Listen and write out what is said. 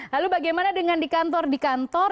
lalu bagaimana dengan di kantor di kantor